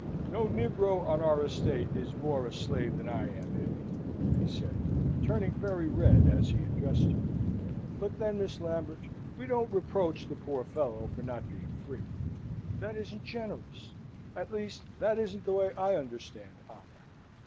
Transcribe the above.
"No negro on our estate is more a slave than I am, Hetty," he said, turning very red as he addressed her; "but then, Miss Lambert, we don't reproach the poor fellow for not being free. That isn't generous. At least, that isn't the way I understand honour.